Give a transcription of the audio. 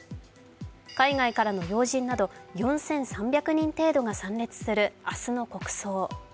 海外からの要人など４３００人程度が参列する明日の国葬。